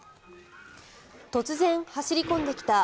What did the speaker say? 突然、走り込んできた